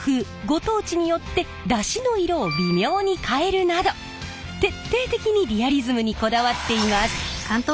ご当地によってダシの色を微妙に変えるなど徹底的にリアリズムにこだわっています。